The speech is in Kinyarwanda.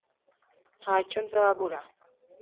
nta cyo nzabura